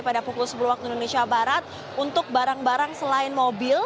pada pukul sepuluh waktu indonesia barat untuk barang barang selain mobil